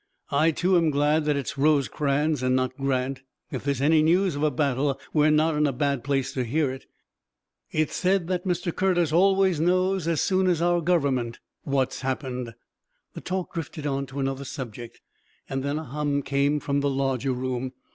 "I, too, am glad that it's Rosecrans and not Grant. If there's any news of a battle, we're not in a bad place to hear it. It's said that Mr. Curtis always knows as soon as our government what's happened." The talk drifted on to another subject and then a hum came from the larger room.